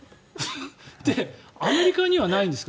アメリカにはないんですか？